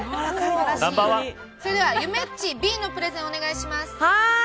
それでは、ゆめっちＢのプレゼンをお願いします。